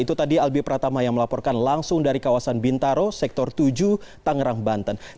itu tadi albi pratama yang melaporkan langsung dari kawasan bintaro sektor tujuh tangerang banten